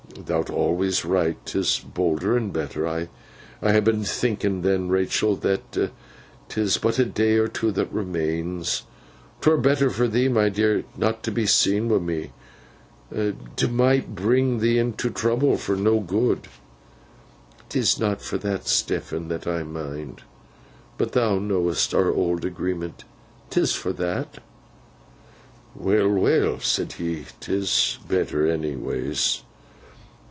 'Thou'rt awlus right. 'Tis bolder and better. I ha been thinkin then, Rachael, that as 'tis but a day or two that remains, 'twere better for thee, my dear, not t' be seen wi' me. 'T might bring thee into trouble, fur no good.' ''Tis not for that, Stephen, that I mind. But thou know'st our old agreement. 'Tis for that.' 'Well, well,' said he. ''Tis better, onnyways.